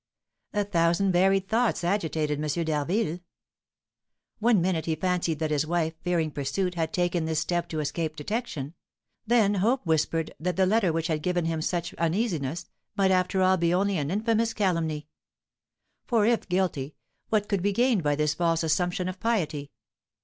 A thousand varied thoughts agitated M. d'Harville. One minute he fancied that his wife, fearing pursuit, had taken this step to escape detection; then hope whispered that the letter which had given him so much uneasiness, might after all be only an infamous calumny; for if guilty, what could be gained by this false assumption of piety?